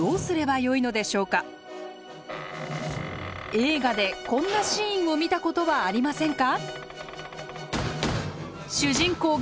映画でこんなシーンを見たことはありませんか？